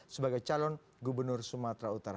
sebagai calon yang mencari kemampuan